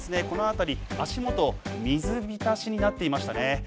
このあたり足もと水びたしになっていましたね。